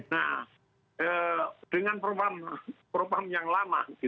nah dengan propam yang lama